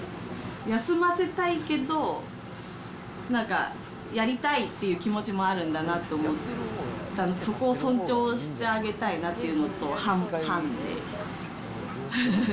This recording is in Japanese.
休ませたいけど、なんかやりたいっていう気持ちもあるんだなと思ったので、そこを尊重してあげたいなっていうのと半分半分で。